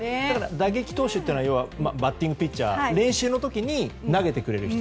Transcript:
打撃投手というのは打撃ピッチャー練習の時に投げてくれる人。